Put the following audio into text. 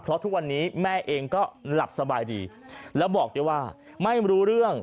เพราะทุกวันนี้แม่เองก็หลับสบายดีแล้วบอกด้วยว่าไม่รู้เรื่อง